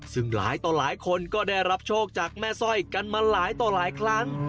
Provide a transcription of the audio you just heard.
ซึ่งหลายต่อหลายคนก็ได้รับโชคจากแม่สร้อยกันมาหลายต่อหลายครั้ง